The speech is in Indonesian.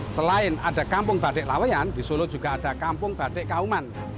selain ada kampung badek lawayan di solo juga ada kampung badek kauman